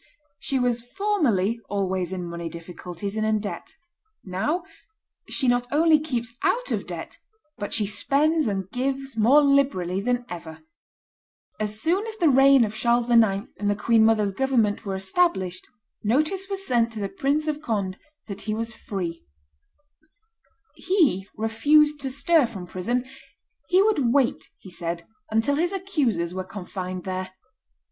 She was formerly always in money difficulties and in debt; now, she not only keeps out of debt, but she spends and gives more liberally than ever." [Relations des Ambassadeurs venztzens, published by A. N. Tommaseo, t. i. pp. 427 429.] As soon as the reign of Charles IX. and the queen mother's government were established, notice was sent to the Prince of Conde that he was free. He refused to stir from prison; he would wait, he said, until his accusers were confined there.